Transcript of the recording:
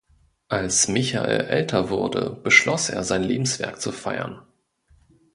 Als Michael älter wurde, beschloss er, sein Lebenswerk zu feiern.